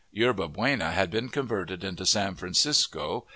Yerba Buena had been converted into San Francisco.